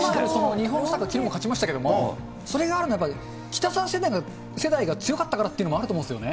日本サッカー、きのうも勝ちましたけれども、それがあるのは北さん世代が強かったというのがあると思うんですよね。